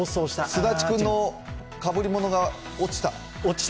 すだちくんのかぶりものが落ちた。